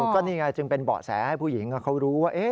ก็นี่ไงจึงเป็นเบาะแสให้ผู้หญิงเขารู้ว่า